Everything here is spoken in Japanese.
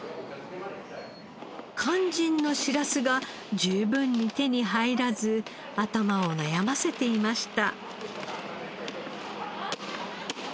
肝心のしらすが十分に手に入らず頭を悩ませていました。